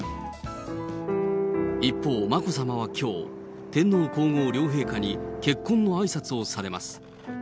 一方、眞子さまはきょう、天皇皇后両陛下に結婚のあいさつをされます。